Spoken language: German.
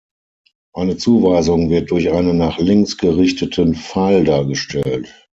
Eine Zuweisung wird durch einen nach links gerichteten Pfeil dargestellt.